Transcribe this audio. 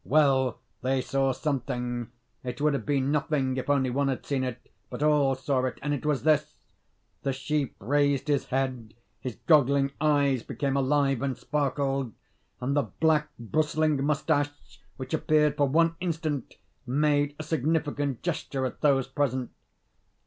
Well, they saw something; it would have been nothing if only one had seen it, but all saw it, and it was this: the sheep raised his head, his goggling eyes became alive and sparkled; and the black, bristling moustache, which appeared for one instant, made a significant gesture at those present.